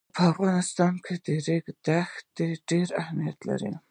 په افغانستان کې د ریګ دښتې ډېر اهمیت لري.